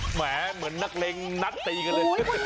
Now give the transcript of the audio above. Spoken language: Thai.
เหมือนนักเลงนัดตีกันเลย